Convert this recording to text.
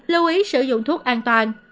lưu ý sử dụng thuốc an toàn